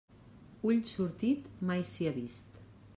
Ull sortit, mai sia vist.